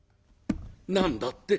「何だって？